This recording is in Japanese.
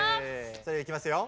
それではいきますよ。